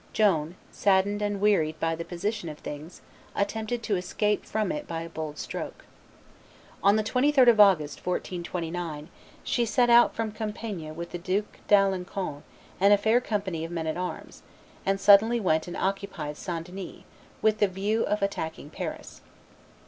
Joan, saddened and wearied by the position of things, attempted to escape from it by a bold stroke. On the 23d of August, 1429, she set out from Compiegne with the Duke d'Alencon and "a fair company of men at arms;" and suddenly went and occupied St. Denis, with the view of attacking Paris.